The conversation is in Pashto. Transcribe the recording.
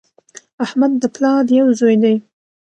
احمد د پلار یو زوی دی